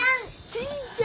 ちぃちゃん！